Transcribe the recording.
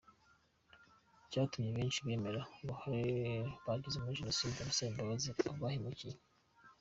Cyatumye benshi bemera uruhare bagize muri Jenoside basaba imbabazi abo bahemukiye.